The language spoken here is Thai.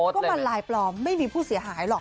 ก็มันลายปลอมไม่มีผู้เสียหายหรอก